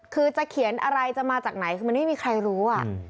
คือจะเขียนอะไรจะมาจากไหนคือมันไม่มีใครรู้